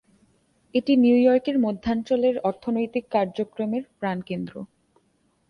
এটি নিউ ইয়র্কের মধ্যাঞ্চলের অর্থনৈতিক কার্যক্রমের প্রাণকেন্দ্র।